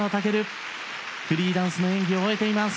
フリーダンスの演技を終えています。